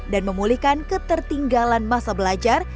dan memulihkan ketertinggalan masa belajar